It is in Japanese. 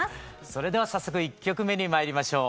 それでは早速１曲目にまいりましょう。